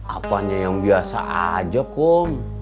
apanya yang biasa saja kom